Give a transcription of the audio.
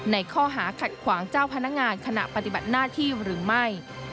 ในข้อหาขัดขวางเจ้าพนักงานขณะปฏิบัติหน้าที่หรือไม่